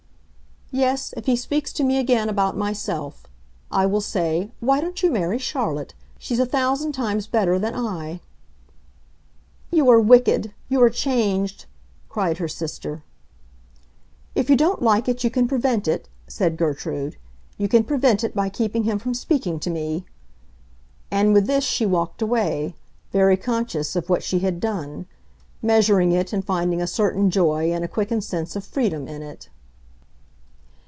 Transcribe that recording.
"Yes, if he speaks to me again about myself. I will say, 'Why don't you marry Charlotte? She's a thousand times better than I.'" "You are wicked; you are changed!" cried her sister. "If you don't like it you can prevent it," said Gertrude. "You can prevent it by keeping him from speaking to me!" And with this she walked away, very conscious of what she had done; measuring it and finding a certain joy and a quickened sense of freedom in it.